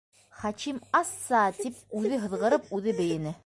Хачим «асса» тип, үҙе һыҙғырып, үҙе бейене.